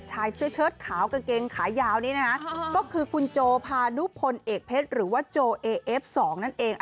ชายเสื้อเชิดขาวกางเกงขายาวนี้นะคะก็คือคุณโจพานุพลเอกเพชรหรือว่าโจเอเอฟ๒นั่นเอง